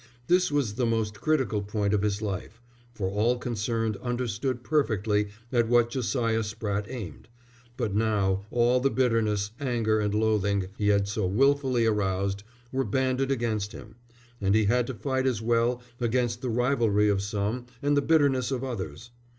This was the most critical point of his life, for all concerned understood perfectly at what Josiah Spratte aimed; but now all the bitterness, anger, and loathing he had so wilfully aroused, were banded against him; and he had to fight as well against the rivalry of some and the bitterness of others.